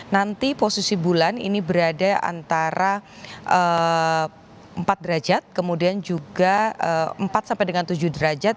nanti posisi bulan ini berada antara empat derajat kemudian juga empat sampai dengan tujuh derajat